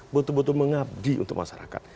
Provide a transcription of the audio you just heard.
betul betul mengabdi untuk masyarakat